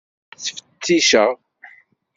Ur ten-ttfetticeɣ.